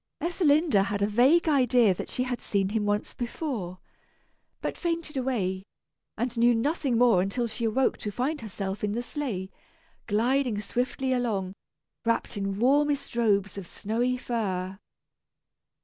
Ethelinda had a vague idea that she had seen him once before, but fainted away, and knew nothing more until she awoke to find herself in the sleigh, gliding swiftly along, wrapped in warmest robes of snowy fur.